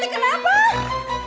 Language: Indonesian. yang ini mah